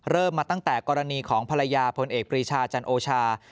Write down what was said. เริ่มมาตั้งแต่กรณีของภรรยาพลเอกปรีชาจันโอชา